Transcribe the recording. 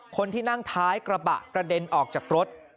คนที่นั่งท้ายกระบะกระเด็นออกจากรถ